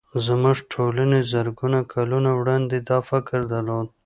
زموږ ټولنې زرګونه کلونه وړاندې دا فکر درلود